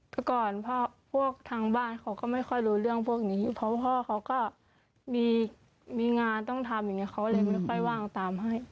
เมื่อก่อนพ่อพวกทางบ้านเขาก็ไม่ค่อยรู้เรื่องพวกนี้เพราะพ่อเขาก็มีงานต้องทำอย่างนี้เขาเลยไม่ค่อยว่างตามให้